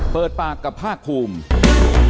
เปิดปากกับภาคภูมิ